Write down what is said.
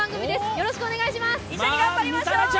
よろしくお願いします。